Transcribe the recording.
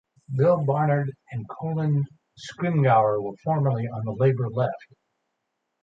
Bill Barnard and Colin Scrimgeour were formerly on the Labour left.